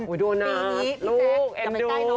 ปีนี้แจ๊คกระไม่ใกล้น้องผู้ห้าง